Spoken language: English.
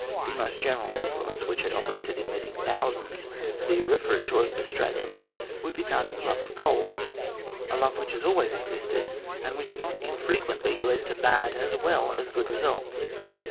The most general influence which had operated in leading thousands to the auriferous shores of Australia would be found in the love of gold, a love which had always existed, and which not unfrequently led to bad as well as good results.